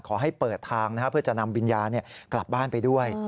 ขอให้เปิดทางเพื่อจะนำวิญญาณกลับบ้านไปด้วย